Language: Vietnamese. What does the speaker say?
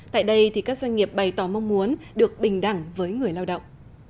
tại đây các doanh nghiệp bày tỏ mong muốn được bình đẳng với người lao động